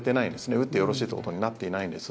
打ってよろしいということになっていないんです。